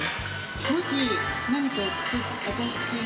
もし何か、私に、